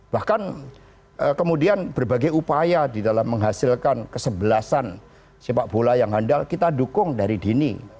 bahkan kemudian berbagai upaya di dalam menghasilkan kesebelasan sepak bola yang handal kita dukung dari dini